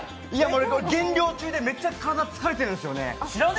俺、減量中で、めちゃめちゃ体、疲れてるんです。